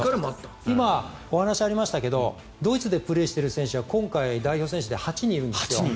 今、お話がありましたけどドイツでプレーしている選手が今回、代表選手で８人いるんですよ。